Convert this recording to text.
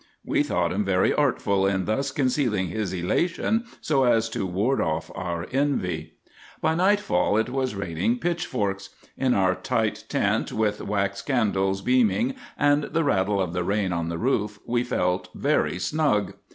We thought him very artful, in thus concealing his elation so as to ward off our envy. By nightfall it was raining pitchforks. In our tight tent, with wax candles beaming, and the rattle of the rain on the roof, we felt very snug.